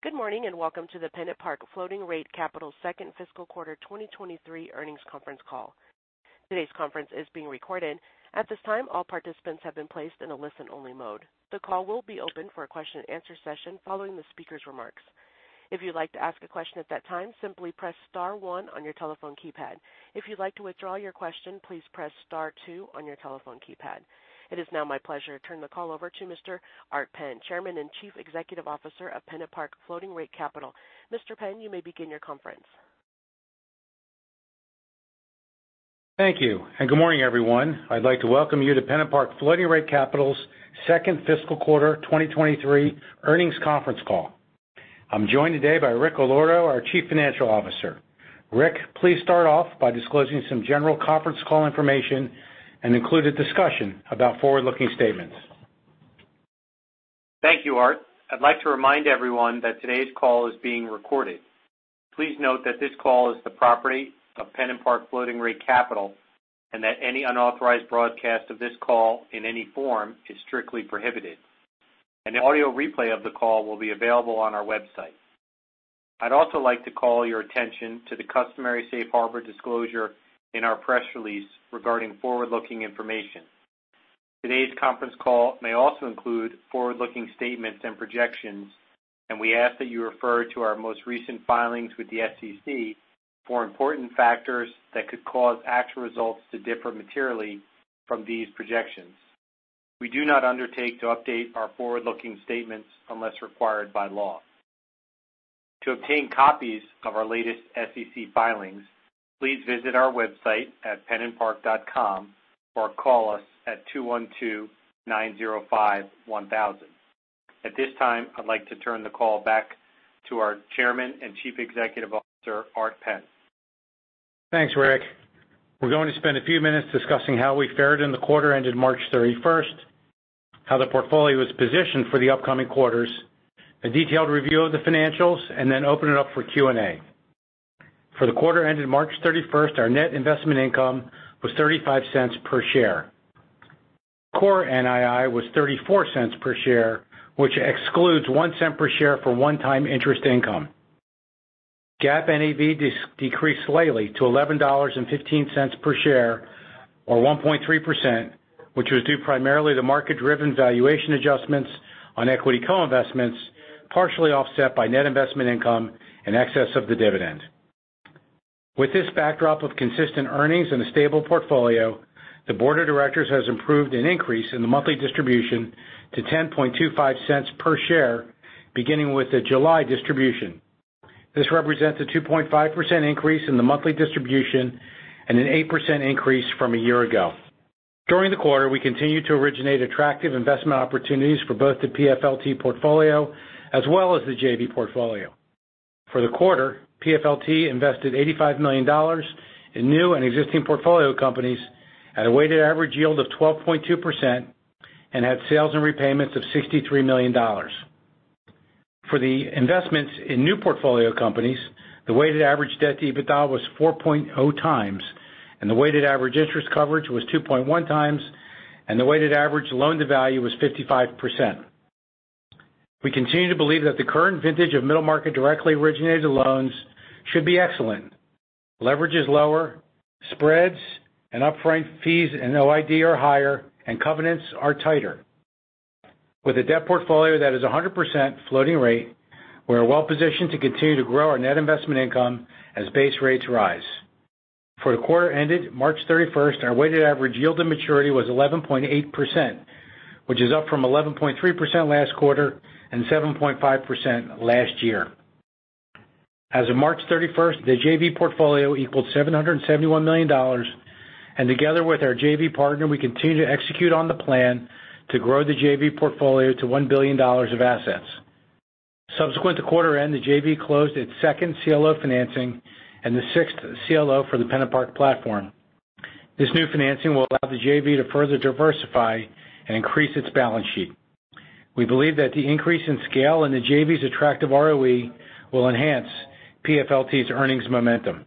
Good morning, welcome to the PennantPark Floating Rate Capital Second Fiscal Quarter 2023 earnings conference call. Today's conference is being recorded. At this time, all participants have been placed in a listen-only mode. The call will be open for a question-and-answer session following the speaker's remarks. If you'd like to ask a question at that time, simply press star one on your telephone keypad. If you'd like to withdraw your question, please press star two on your telephone keypad. It is now my pleasure to turn the call over to Mr. Art Penn, Chairman and Chief Executive Officer of PennantPark Floating Rate Capital. Mr. Penn, you may begin your conference. Thank you. Good morning, everyone. I'd like to welcome you to PennantPark Floating Rate Capital's second fiscal quarter 2023 earnings conference call. I'm joined today by Rick Allorto, our Chief Financial Officer. Rick, please start off by disclosing some general conference call information and include a discussion about forward-looking statements. Thank you, Art. I'd like to remind everyone that today's call is being recorded. Please note that this call is the property of PennantPark Floating Rate Capital and that any unauthorized broadcast of this call in any form is strictly prohibited. An audio replay of the call will be available on our website. I'd also like to call your attention to the customary safe harbor disclosure in our press release regarding forward-looking information. Today's conference call may also include forward-looking statements and projections, and we ask that you refer to our most recent filings with the SEC for important factors that could cause actual results to differ materially from these projections. We do not undertake to update our forward-looking statements unless required by law. To obtain copies of our latest SEC filings, please visit our website at pennantpark.com or call us at 212-905-1000. At this time, I'd like to turn the call back to our Chairman and Chief Executive Officer, Art Penn. Thanks, Rick. We're going to spend a few minutes discussing how we fared in the quarter ended March 31st, how the portfolio is positioned for the upcoming quarters, a detailed review of the financials, and then open it up for Q&A. For the quarter ended March 31st, our net investment income was $0.35 per share. Core NII was $0.34 per share, which excludes $0.01 per share for one-time interest income. GAAP NAV decreased slightly to $11.15 per share or 1.3%, which was due primarily to market-driven valuation adjustments on equity co-investments, partially offset by net investment income in excess of the dividend. With this backdrop of consistent earnings and a stable portfolio, the board of directors has approved an increase in the monthly distribution to $0.1025 per share, beginning with the July distribution. This represents a 2.5% increase in the monthly distribution and an 8% increase from a year ago. During the quarter, we continued to originate attractive investment opportunities for both the PFLT portfolio as well as the JV Portfolio. For the quarter, PFLT invested $85 million in new and existing portfolio companies at a weighted average yield of 12.2% and had sales and repayments of $63 million. For the investments in new portfolio companies, the weighted average debt-to-EBITDA was 4.0 times, and the weighted average interest coverage was 2.1 times, and the weighted average loan-to-value was 55%. We continue to believe that the current vintage of middle-market directly originated loans should be excellent. Leverage is lower, spreads and upfront fees and OID are higher, and covenants are tighter. With a debt portfolio that is 100% floating rate, we are well positioned to continue to grow our net investment income as base rates rise. For the quarter ended March 31st, our weighted average yield to maturity was 11.8%, which is up from 11.3% last quarter and 7.5% last year. As of March 31st, the JV Portfolio equaled $771 million, and together with our JV partner, we continue to execute on the plan to grow the JV Portfolio to $1 billion of assets. Subsequent to quarter end, the JV closed its second CLO Financing and the Sixth CLO for the PennantPark platform. This new financing will allow the JV to further diversify and increase its balance sheet. We believe that the increase in scale in the JV's attractive ROE will enhance PFLT's earnings momentum.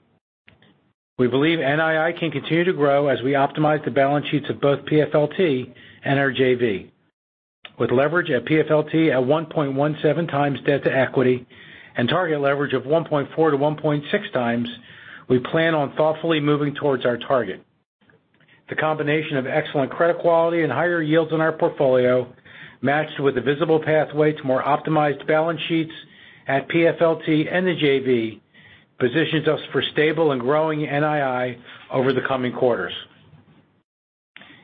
We believe NII can continue to grow as we optimize the balance sheets of both PFLT and our JV. With leverage at PFLT at 1.17x debt to equity and target leverage of 1.4x-1.6x, we plan on thoughtfully moving towards our target. The combination of excellent credit quality and higher yields in our portfolio, matched with a visible pathway to more optimized balance sheets at PFLT and the JV, positions us for stable and growing NII over the coming quarters.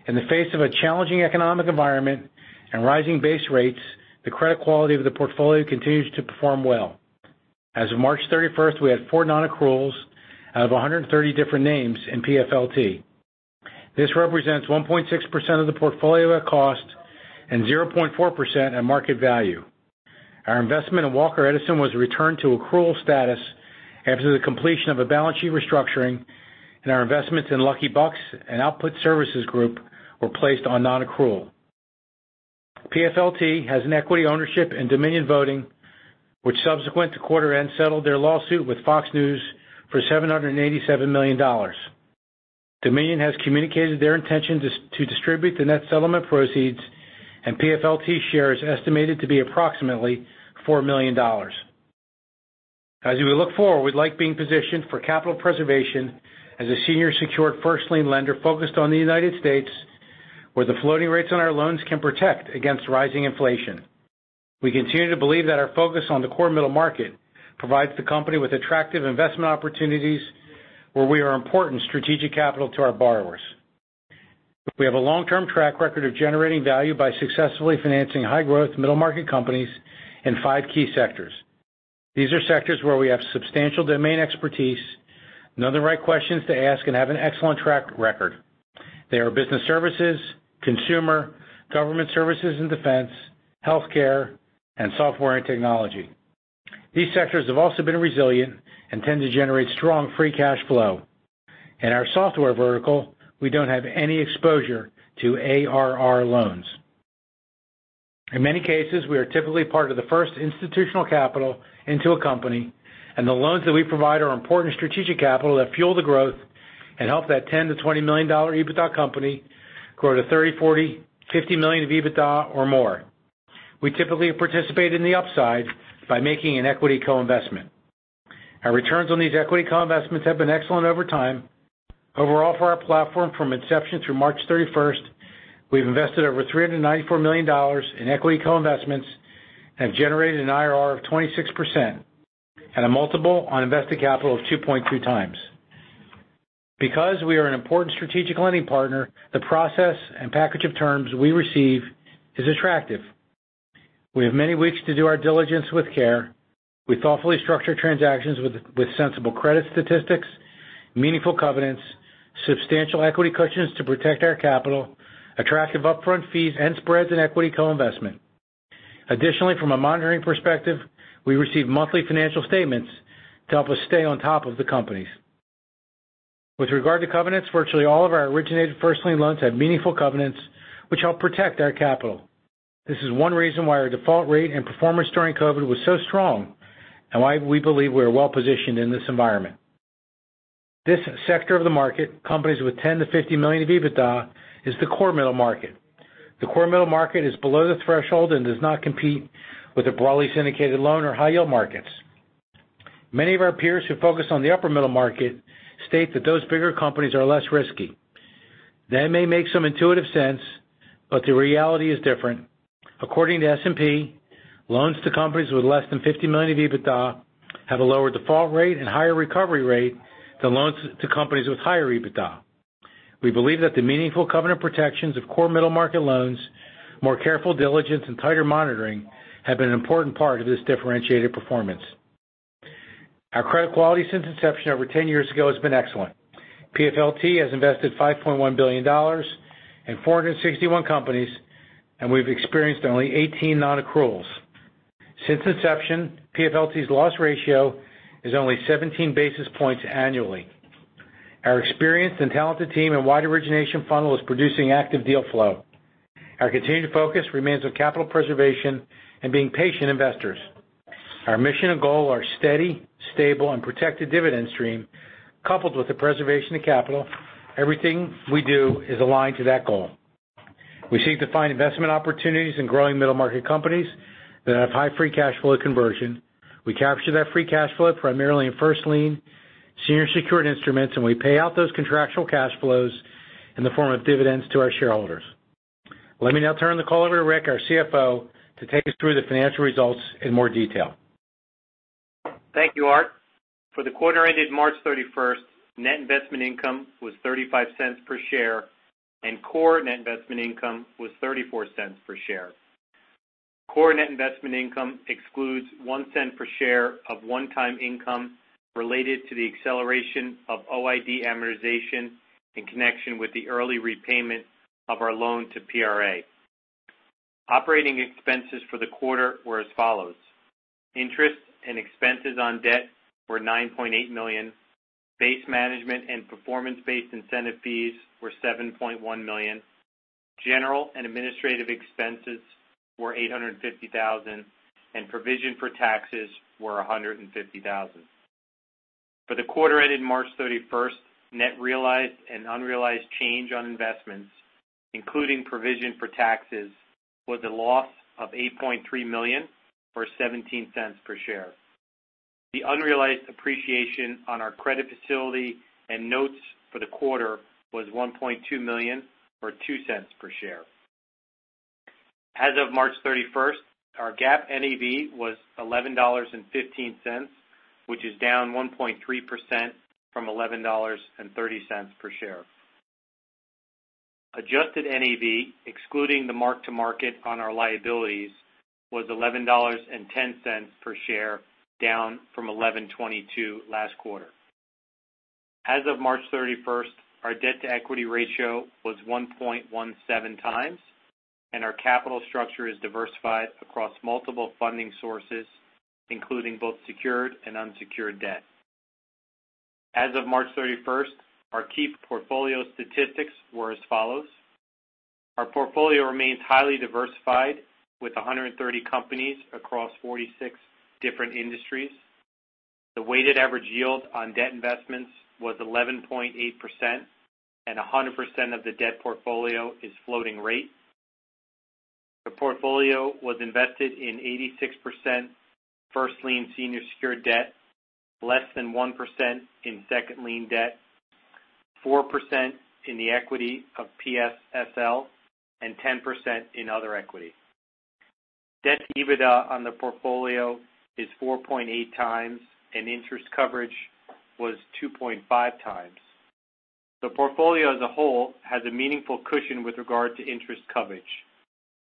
In the face of a challenging economic environment and rising base rates, the credit quality of the portfolio continues to perform well. As of March 31st, we had four non-accruals out of 130 different names in PFLT. This represents 1.6% of the portfolio at cost and 0.4% at market value. Our investment in Walker Edison was returned to accrual status after the completion of a balance sheet restructuring, and our investments in Lucky Bucks and Output Services Group were placed on non-accrual. PFLT has an equity ownership in Dominion Voting, which subsequent to quarter end, settled their lawsuit with Fox News for $787 million. Dominion has communicated their intention to distribute the net settlement proceeds and PFLT shares estimated to be approximately $4 million. As we look forward, we like being positioned for capital preservation as a senior secured first lien lender focused on the United States, where the floating rates on our loans can protect against rising inflation. We continue to believe that our focus on the core middle market provides the company with attractive investment opportunities where we are important strategic capital to our borrowers. We have a long-term track record of generating value by successfully financing high growth middle market companies in five key sectors. These are sectors where we have substantial domain expertise, know the right questions to ask, and have an excellent track record. They are business services, consumer, government services and defense, healthcare, and software and technology. These sectors have also been resilient and tend to generate strong free cash flow. In our software vertical, we don't have any exposure to ARR loans. In many cases, we are typically part of the first institutional capital into a company, and the loans that we provide are important strategic capital that fuel the growth and help that $10 million-$20 million EBITDA company grow to $30 million, $40 million, $50 million of EBITDA or more. We typically participate in the upside by making an equity co-investment. Our returns on these equity co-investments have been excellent over time. Overall, for our platform from inception through March 31st, we've invested over $394 million in equity co-investments and have generated an IRR of 26% and a multiple on invested capital of 2.2x. Because we are an important strategic lending partner, the process and package of terms we receive is attractive. We have many weeks to do our diligence with care. We thoughtfully structure transactions with sensible credit statistics, meaningful covenants, substantial equity cushions to protect our capital, attractive upfront fees and spreads in equity co-investment. From a monitoring perspective, we receive monthly financial statements to help us stay on top of the companies. With regard to covenants, virtually all of our originated first lien loans have meaningful covenants which help protect our capital. This is one reason why our default rate and performance during COVID was so strong and why we believe we are well-positioned in this environment. This sector of the market, companies with $10 million-$50 million of EBITDA, is the core middle market. The core middle market is below the threshold and does not compete with a broadly syndicated loan or high yield markets. Many of our peers who focus on the upper middle market state that those bigger companies are less risky. That may make some intuitive sense, but the reality is different. According to S&P, loans to companies with less than $50 million of EBITDA have a lower default rate and higher recovery rate than loans to companies with higher EBITDA. We believe that the meaningful covenant protections of core middle market loans, more careful diligence and tighter monitoring have been an important part of this differentiated performance. Our credit quality since inception over 10 years ago has been excellent. PFLT has invested $5.1 billion in 461 companies, and we've experienced only 18 non-accruals. Since inception, PFLT's loss ratio is only 17 basis points annually. Our experienced and talented team and wide origination funnel is producing active deal flow. Our continued focus remains on capital preservation and being patient investors. Our mission and goal are steady, stable, and protected dividend stream, coupled with the preservation of capital. Everything we do is aligned to that goal. We seek to find investment opportunities in growing middle market companies that have high free cash flow conversion. We capture that free cash flow primarily in first lien, senior secured instruments, we pay out those contractual cash flows in the form of dividends to our shareholders. Let me now turn the call over to Rick, our CFO, to take us through the financial results in more detail. Thank you, Art. For the quarter ended March 31st, net investment income was $0.35 per share and core net investment income was $0.34 per share. Core net investment income excludes $0.01 per share of one-time income related to the acceleration of OID amortization in connection with the early repayment of our loan to PRA. Operating expenses for the quarter were as follows: Interest and expenses on debt were $9.8 million. Base management and performance-based incentive fees were $7.1 million. General and administrative expenses were $850,000, Provision for taxes were $150,000. For the quarter ended March 31st, net realized and unrealized change on investments, including provision for taxes, was a loss of $8.3 million or $0.17 per share. The unrealized appreciation on our credit facility and notes for the quarter was $1.2 million or $0.02 per share. As of March 31st, our GAAP NAV was $11.15, which is down 1.3% from $11.30 per share. Adjusted NAV, excluding the mark to market on our liabilities, was $11.10 per share, down from $11.22 last quarter. As of March 31st, our debt-to-equity ratio was 1.17 times, and our capital structure is diversified across multiple funding sources, including both secured and unsecured debt. As of March 31st, our key portfolio statistics were as follows. Our portfolio remains highly diversified with 130 companies across 46 different industries. The weighted average yield on debt investments was 11.8% and 100% of the debt portfolio is floating rate. The portfolio was invested in 86% first lien senior secured debt, less than 1% in second lien debt, 4% in the equity of PSLF, and 10% in other equity. Debt EBITDA on the portfolio is 4.8x, and interest coverage was 2.5x. The portfolio as a whole has a meaningful cushion with regard to interest coverage.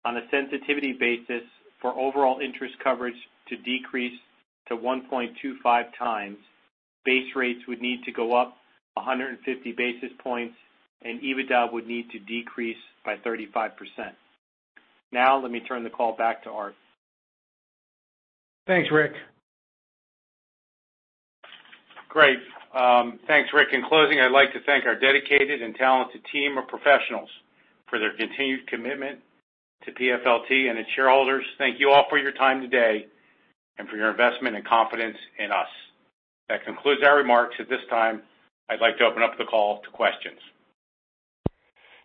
On a sensitivity basis, for overall interest coverage to decrease to 1.25x, base rates would need to go up 150 basis points and EBITDA would need to decrease by 35%. Let me turn the call back to Art. Thanks, Rick. Great. Thanks, Rick. In closing, I'd like to thank our dedicated and talented team of professionals for their continued commitment to PFLT and its shareholders. Thank you all for your time today and for your investment and confidence in us. That concludes our remarks. At this time, I'd like to open up the call to questions.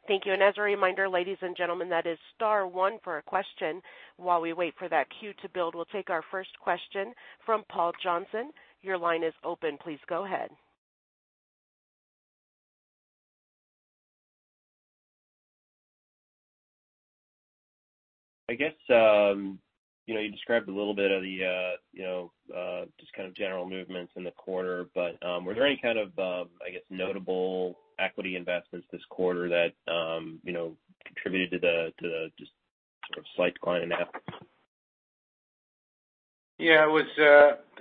Thank you. As a reminder, ladies and gentlemen, that is star 1 for a question. While we wait for that queue to build, we'll take our first question from Paul Johnson. Your line is open. Please go ahead. I guess, you know, you described a little bit of the, you know, just kind of general movements in the quarter. Were there any kind of, I guess, notable equity investments this quarter that, you know, contributed to the just sort of slight decline in NAV?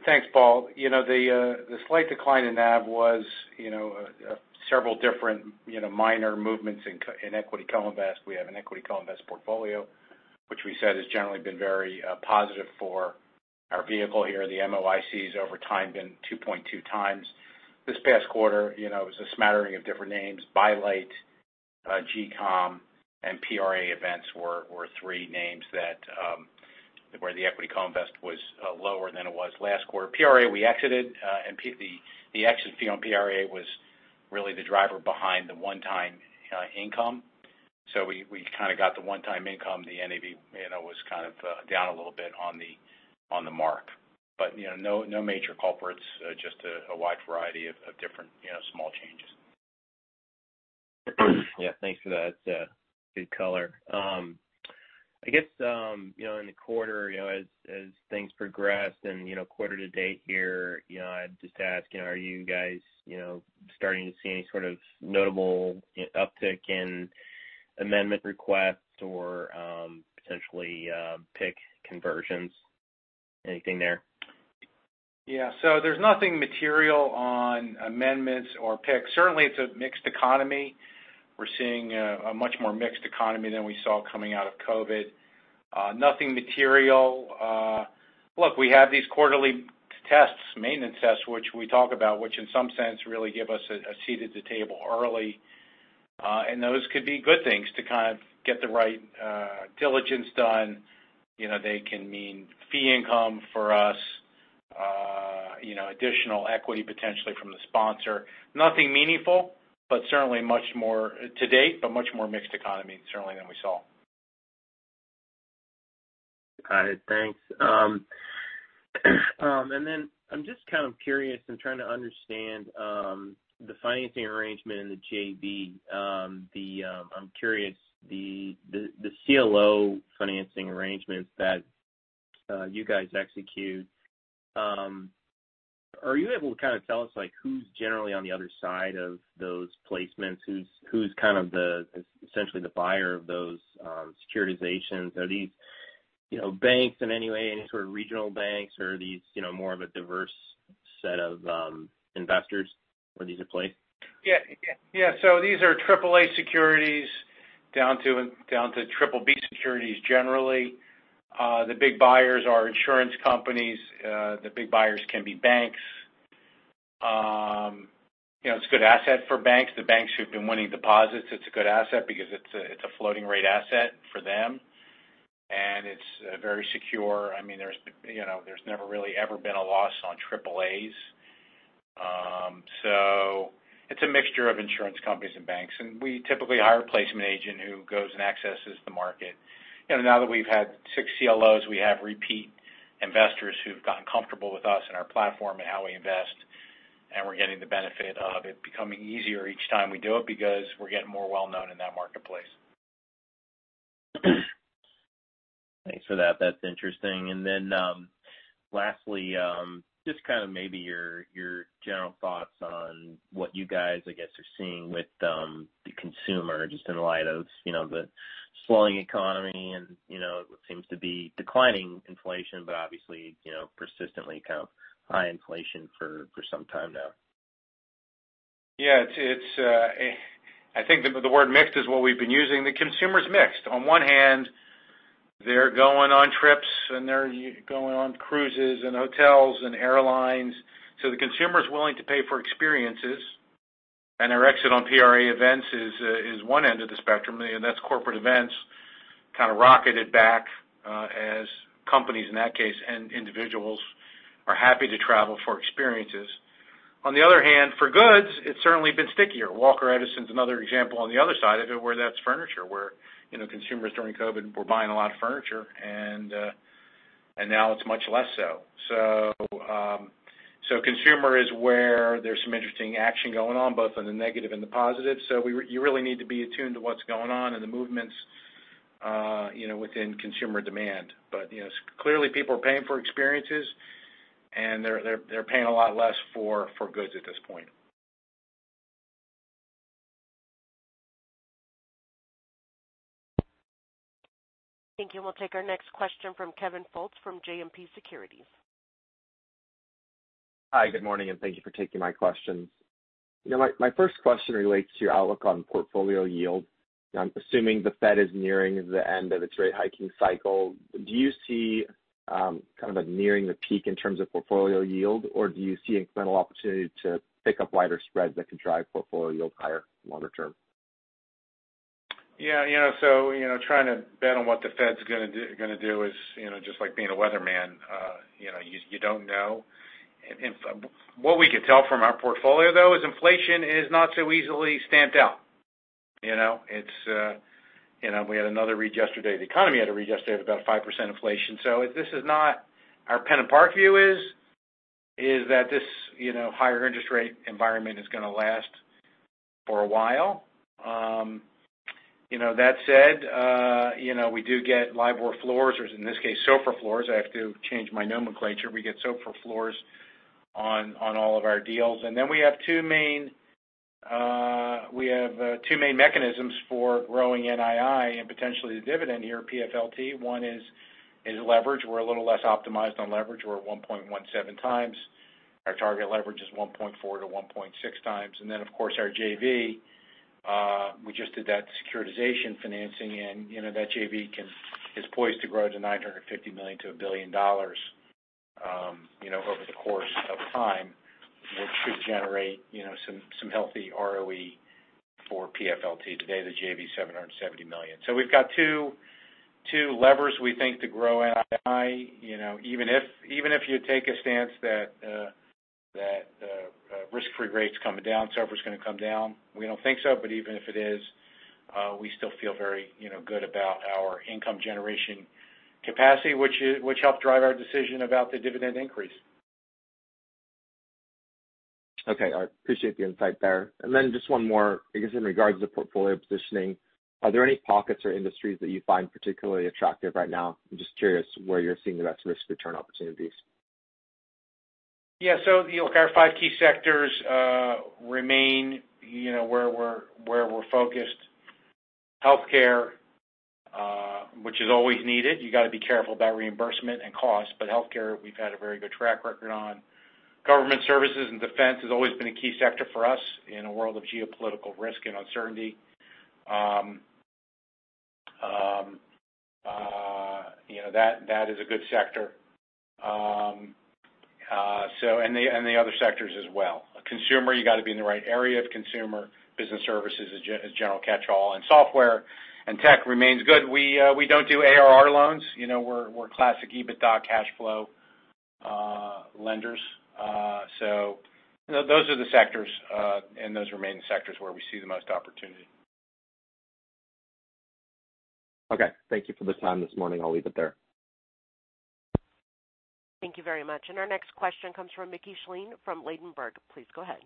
Thanks, Paul. You know, the slight decline in NAV was, you know, several different, you know, minor movements in equity co-invest. We have an equity co-invest portfolio which we said has generally been very positive for our vehicle here. The MOIC has over time been 2.2x. This past quarter, you know, it was a smattering of different names, By Light, GCOM, and PRA Events were three names that where the equity co-invest was lower than it was last quarter. PRA, we exited, and the exit fee on PRA was really the driver behind the one-time income. We kinda got the one-time income. The NAV, you know, was kind of down a little bit on the mark. You know, no major culprits, just a wide variety of different, you know, small changes. Yeah, thanks for that. good color. I guess, you know, in the quarter, you know, as things progress and, you know, quarter to date here, you know, I'd just ask, you know, are you guys, you know, starting to see any sort of notable, you know, uptick in amendment requests or, potentially, PIK conversions? Anything there? There's nothing material on amendments or PIKs. Certainly, it's a mixed economy. We're seeing a much more mixed economy than we saw coming out of COVID. Nothing material. Look, we have these quarterly tests, maintenance tests, which we talk about, which in some sense really give us a seat at the table early. Those could be good things to kind of get the right diligence done. You know, they can mean fee income for us, you know, additional equity potentially from the sponsor. Nothing meaningful, but certainly much more to date, but much more mixed economy certainly than we saw. Got it. Thanks. I'm just kind of curious and trying to understand the financing arrangement in the JV. I'm curious the CLO Financing arrangements that you guys execute, are you able to kind of tell us, like, who's generally on the other side of those placements? Who's kind of the, essentially the buyer of those securitizations? Are these, you know, banks in any way, any sort of regional banks, or are these, you know, more of a diverse set of investors where these are placed? Yeah. Yeah. These are AAA securities down to BBB securities. Generally, the big buyers are insurance companies. The big buyers can be banks. You know, it's a good asset for banks. The banks who've been winning deposits, it's a good asset because it's a floating rate asset for them, and it's very secure. I mean, there's, you know, there's never really ever been a loss on AAAs. It's a mixture of insurance companies and banks. We typically hire a placement agent who goes and accesses the market. You know, now that we've had 6 CLOs, we have repeat investors who've gotten comfortable with us and our platform and how we invest, and we're getting the benefit of it becoming easier each time we do it because we're getting more well known in that marketplace. Thanks for that. That's interesting. Then, lastly, just kind of maybe your general thoughts on what you guys, I guess, are seeing with the consumer, just in light of, you know, the slowing economy and, you know, what seems to be declining inflation but obviously, you know, persistently kind of high inflation for some time now. It's, I think the word mixed is what we've been using. The consumer's mixed. On one hand-They're going on trips, and they're going on cruises and hotels and airlines. The consumer is willing to pay for experiences. Our exit on PRA Events is one end of the spectrum, and that's corporate events, kind of rocketed back as companies in that case and individuals are happy to travel for experiences. On the other hand, for goods, it's certainly been stickier. Walker Edison is another example on the other side of it, where that's furniture, where, you know, consumers during COVID were buying a lot of furniture, and now it's much less so. Consumer is where there's some interesting action going on, both on the negative and the positive. You really need to be attuned to what's going on and the movements, you know, within consumer demand. You know, clearly people are paying for experiences and they're paying a lot less for goods at this point. Thank you. We'll take our next question from Kevin Fultz from JMP Securities. Hi, good morning, and thank you for taking my questions. You know, my first question relates to your outlook on portfolio yield. I'm assuming the Fed is nearing the end of its rate hiking cycle. Do you see kind of a nearing the peak in terms of portfolio yield, or do you see incremental opportunity to pick up wider spreads that can drive portfolio yield higher longer term? Yeah, you know, trying to bet on what the Fed's gonna do is, you know, just like being a weatherman. You know, you don't know. What we can tell from our portfolio, though, is inflation is not so easily stamped out. You know, it's, you know, we had another read yesterday. The economy had a read yesterday of about 5% inflation. This is not our PennantPark view is that this, you know, higher interest rate environment is gonna last for a while. You know, that said, you know, we do get LIBOR floors or in this case, SOFR floors. I have to change my nomenclature. We get SOFR floors on all of our deals. We have two main mechanisms for growing NII and potentially the dividend here at PFLT. One is leverage. We're a little less optimized on leverage. We're 1.17 times. Our target leverage is 1.4x-1.6x. Of course, our JV, we just did that securitization financing, and, you know, that JV is poised to grow to $950 million to $1 billion, you know, over the course of time, which should generate, you know, some healthy ROE for PFLT. Today, the JV's $770 million. We've got two levers we think to grow NII. You know, even if, even if you take a stance that risk-free rate's coming down, SOFR is gonna come down. We don't think so, but even if it is, we still feel very, you know, good about our income generation capacity, which helped drive our decision about the dividend increase. Okay. I appreciate the insight there. Just one more, I guess, in regards to portfolio positioning. Are there any pockets or industries that you find particularly attractive right now? I'm just curious where you're seeing the best risk return opportunities. Look, our five key sectors, remain, you know, where we're focused. Healthcare, which is always needed. You gotta be careful about reimbursement and cost, but healthcare, we've had a very good track record on. Government services and defense has always been a key sector for us in a world of geopolitical risk and uncertainty. You know, that is a good sector. The other sectors as well. Consumer, you gotta be in the right area of consumer. Business services is general catchall, and software and tech remains good. We don't do ARR loans. You know, we're classic EBITDA cash flow lenders. Those are the sectors, and those remain the sectors where we see the most opportunity. Okay. Thank you for the time this morning. I'll leave it there. Thank you very much. Our next question comes from Mickey Schleien from Ladenburg Thalmann. Please go ahead.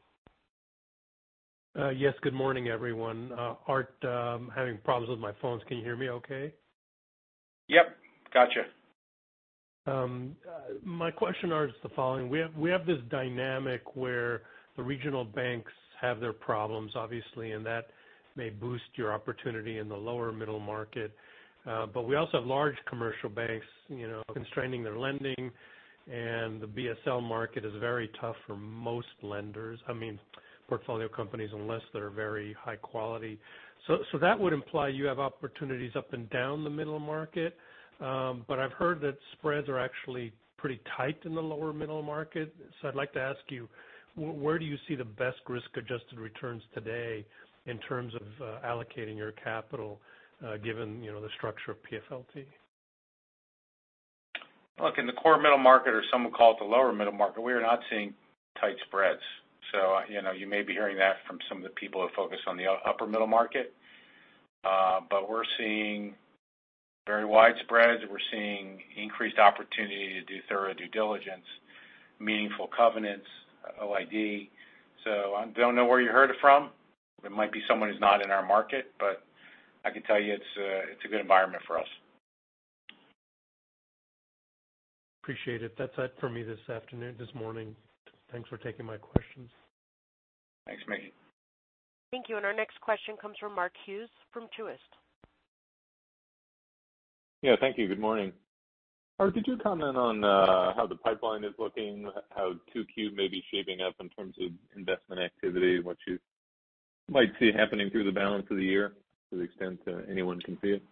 Yes. Good morning, everyone. Art, I'm having problems with my phones. Can you hear me okay? Yep. Gotcha. My question, Art, is the following. We have this dynamic where the regional banks have their problems, obviously, and that may boost your opportunity in the lower middle market. We also have large commercial banks, you know, constraining their lending, and the BSL market is very tough for most lenders. I mean, portfolio companies, unless they're very high quality. That would imply you have opportunities up and down the middle market. I've heard that spreads are actually pretty tight in the lower middle market. I'd like to ask you, where do you see the best risk-adjusted returns today in terms of allocating your capital, given, you know, the structure of PFLT? Look, in the core middle market or some would call it the lower middle market, we are not seeing tight spreads. You know, you may be hearing that from some of the people that focus on the upper middle market. We're seeing very wide spreads. We're seeing increased opportunity to do thorough due diligence, meaningful covenants, OID. I don't know where you heard it from. It might be someone who's not in our market, but I can tell you it's a good environment for us. Appreciate it. That's it for me this morning. Thanks for taking my questions. Thanks, Mickey. Thank you. Our next question comes from Mark Hughes from Truist. Yeah. Thank you. Good morning. Art, could you comment on how the pipeline is looking, how 2Q may be shaping up in terms of investment activity, what you might see it happening through the balance of the year to the extent anyone can see it?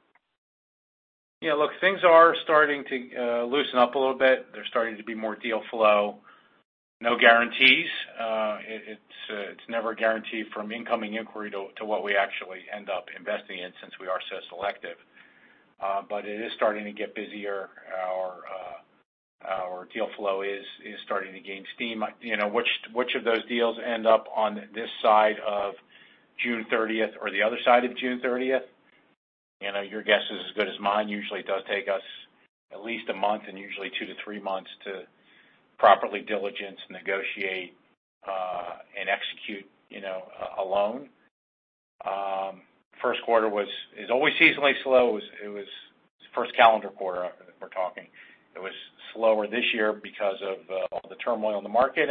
Look, things are starting to loosen up a little bit. There's starting to be more deal flow. No guarantees. It's never a guarantee from incoming inquiry to what we actually end up investing in since we are so selective. It is starting to get busier. Our deal flow is starting to gain steam. You know, which of those deals end up on this side of June 30th or the other side of June 30th, you know, your guess is as good as mine. Usually, it does take us at least a month and usually two-three months to properly diligence, negotiate, and execute, you know, a loan. First quarter is always seasonally slow. It was first calendar quarter that we're talking. It was slower this year because of all the turmoil in the market.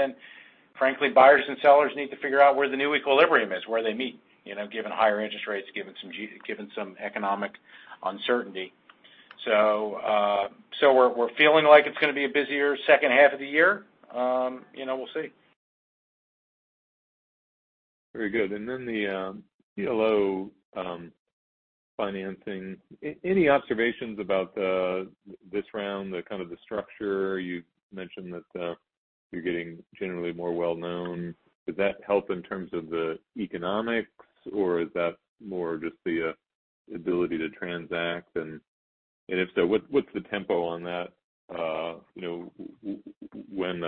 Frankly, buyers and sellers need to figure out where the new equilibrium is, where they meet, you know, given higher interest rates, given some economic uncertainty. We're, we're feeling like it's gonna be a busier second half of the year. you know, we'll see. Very good. The CLO Financing. Any observations about this round, the kind of the structure? You've mentioned that you're getting generally more well-known. Does that help in terms of the economics, or is that more just the ability to transact? If so, what's the tempo on that? You know, when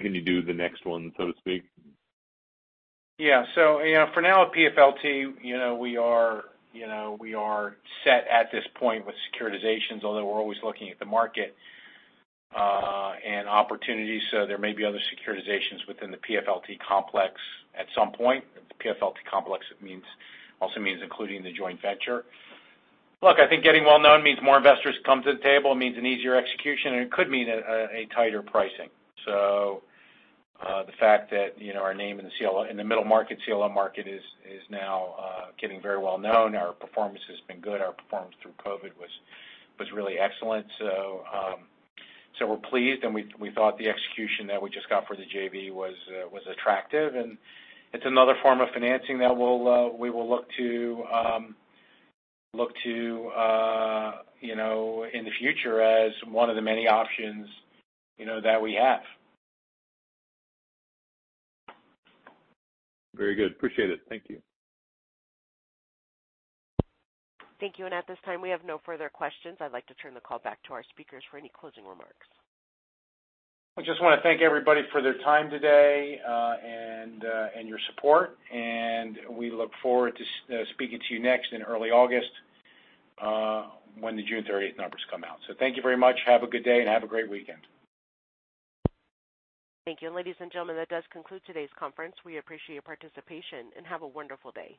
can you do the next one, so to speak? For now at PFLT, you know, we are, you know, we are set at this point with securitizations, although we're always looking at the market and opportunities. There may be other securitizations within the PFLT complex at some point. The PFLT complex also means including the joint venture. Look, I think getting well-known means more investors come to the table. It means an easier execution, and it could mean a tighter pricing. The fact that, you know, our name in the middle market, CLO market is now getting very well known. Our performance has been good. Our performance through COVID was really excellent. We're pleased, and we thought the execution that we just got for the JV was attractive. It's another form of financing that we will look to, you know, in the future as one of the many options, you know, that we have. Very good. Appreciate it. Thank you. Thank you. At this time, we have no further questions. I'd like to turn the call back to our speakers for any closing remarks. I just wanna thank everybody for their time today, and your support. We look forward to speaking to you next in early August, when the June 30th numbers come out. Thank you very much. Have a good day, and have a great weekend. Thank you. Ladies and gentlemen, that does conclude today's conference. We appreciate your participation, and have a wonderful day.